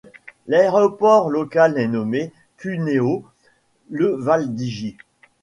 L'aéroport local est nommé Cuneo Levaldigi.